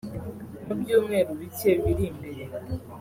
Mu byumweru bike biri imbere